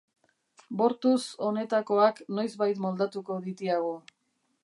Bortuz honatekoak noizbait moldatuko ditiagu.